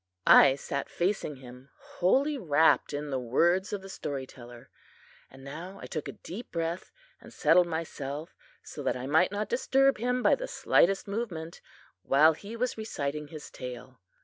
I sat facing him, wholly wrapped in the words of the story teller, and now I took a deep breath and settled myself so that I might not disturb him by the slightest movement while he was reciting his tale.